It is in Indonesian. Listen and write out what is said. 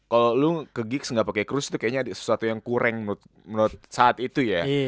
kalo lu ke giggs gak pakai kruz tuh kayaknya sesuatu yang kurang menurut saat itu ya